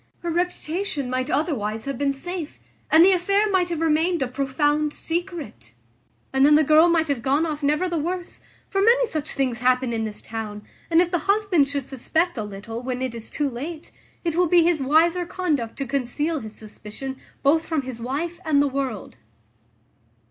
Her reputation might otherwise have been safe, and the affair might have remained a profound secret; and then the girl might have gone off never the worse; for many such things happen in this town: and if the husband should suspect a little, when it is too late, it will be his wiser conduct to conceal his suspicion both from his wife and the world."